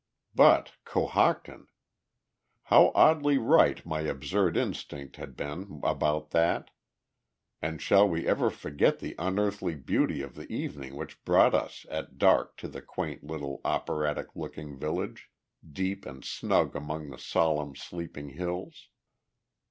But Cohocton. How oddly right my absurd instinct had been about that and, shall we ever forget the unearthly beauty of the evening which brought us at dark to the quaint little operatic looking village, deep and snug among the solemn, sleeping hills?